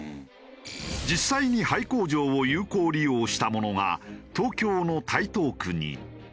実際に廃工場を有効利用したものが東京の台東区に。